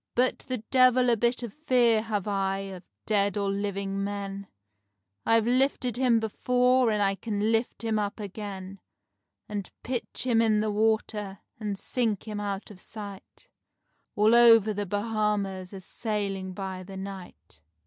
"But the devil a bit of fear have I of dead or living men, I've lifted him before and I can lift him up again, And pitch him in the water, and sink him out of sight, All over the Bahamas a sailing by the night."